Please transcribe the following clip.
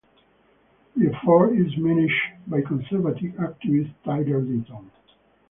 The effort is managed by conservative activist Tyler Deaton.